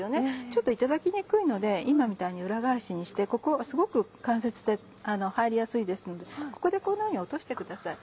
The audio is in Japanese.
ちょっといただきにくいので今みたいに裏返しにしてここすごく関節で入りやすいですのでここでこのように落としてください。